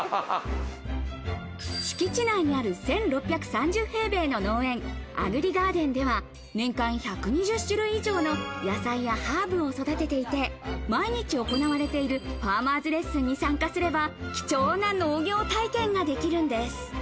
敷地内にある１６３０平米の農園アグリガーデンでは年間１２０種類以上の野菜やハーブを育てていて、毎日行われているファーマーズレッスンに参加すれば貴重な農業体験ができるんです。